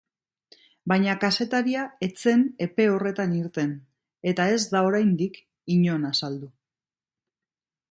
Baina kazetaria ez zen epe horretan irten eta ez da oraindik inon azaldu.